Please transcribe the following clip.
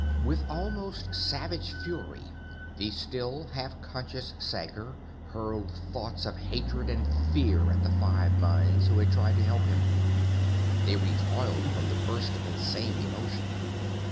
_ With almost savage fury, the still half conscious Sager hurled thoughts of hatred and fear at the five minds who had tried to help him. They recoiled from the burst of insane emotion.